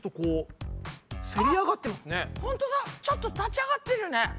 ちょっと立ち上がってるね。